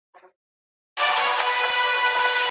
ټکنالوژي د وخت او انرژۍ سپما ته مرسته کوي.